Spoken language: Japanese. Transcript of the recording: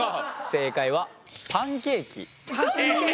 正解はパンケーキ。